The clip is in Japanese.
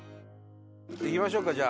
行きましょうかじゃあ。